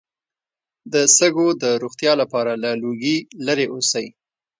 د سږو د روغتیا لپاره له لوګي لرې اوسئ